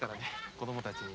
子供たちに。